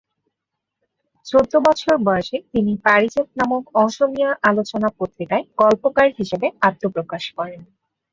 চৌদ্দ বৎসর বয়সে তিনি "পারিজাত" নামক অসমীয়া আলোচনা পত্রিকায় গল্পকার হিসেবে আত্মপ্রকাশ করেন।